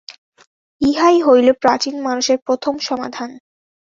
ইহাই হইল প্রাচীন মানুষের প্রথম সমাধান।